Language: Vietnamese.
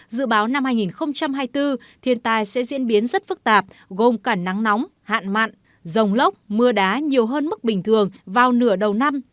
dự báo năm hai nghìn hai mươi bốn thiên tai sẽ diễn biến rất phức tạp gồm cả nắng nóng hạn mặn rồng lốc mưa đá nhiều hơn mức bình thường vào nửa đầu năm